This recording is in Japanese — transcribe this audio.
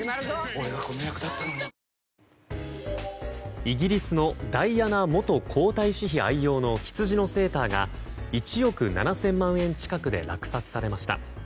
俺がこの役だったのにイギリスのダイアナ元皇太子妃愛用のヒツジのセーターが１億７０００万円近くで落札されました。